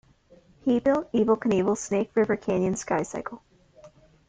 He built Evel Knievel's Snake River Canyon Sky cycle.